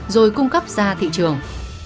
rồi cung cấp ra thị trường